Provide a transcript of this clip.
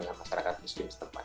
dengan masyarakat muslim setempat